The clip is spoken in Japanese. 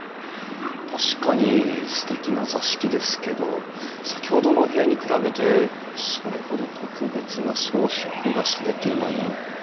確かにすてきな座敷ですけど先ほどのお部屋に比べてそれほど特別な装飾がされていないような。